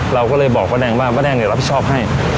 เราก็เลยบอกป๊าแดงว่าป๊าแดงเนี่ยเราผิดชอบให้